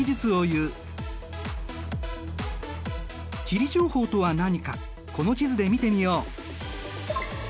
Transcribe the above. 地理情報とは何かこの地図で見てみよう。